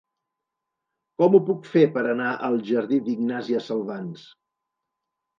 Com ho puc fer per anar al jardí d'Ignàsia Salvans?